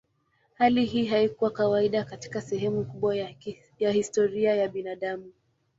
Hali hii haikuwa kawaida katika sehemu kubwa ya historia ya binadamu.